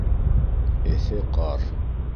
ЭҪЕ ҠАР